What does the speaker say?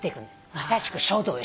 まさしく書道よ